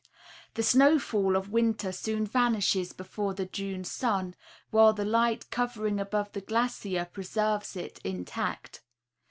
The snow fall of winter soon vanishes before the June sun, while the light covering above the glacier preserves it intact.